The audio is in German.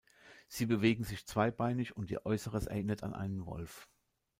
Sie bewegen sich zweibeinig und ihr Äußeres erinnert an einen Wolf.